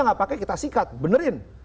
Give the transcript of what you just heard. nggak pakai kita sikat benerin